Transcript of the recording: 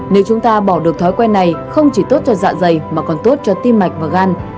nếu chúng ta bỏ được thói quen này không chỉ tốt cho dạ dày mà còn tốt cho tim mạch và gan